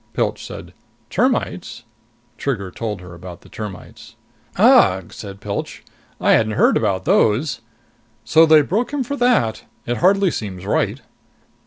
Pilch said, "Termites?" Trigger told her about the termites. "Ugh!" said Pilch. "I hadn't heard about those. So they broke him for that. It hardly seems right."